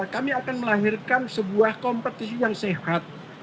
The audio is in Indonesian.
kami akan melahirkan sebuah kompetisi yang sehat